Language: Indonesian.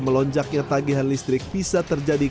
pertama pemakaian listriknya bertambah